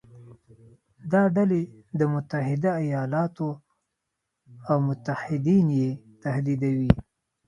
دا ډلې د متحده ایالاتو او متحدین یې تهدیدوي.